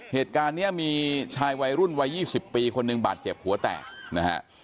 เหตุการณ์นี้มีชายวัยรุ่นวัย๒๐ปีคนหนึ่งบาดเจ็บหัวแตกนะฮะ